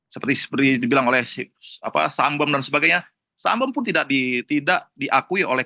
seperti seperti dibilang oleh sambel dan sebagainya sambal pun tidak di tidak diakui oleh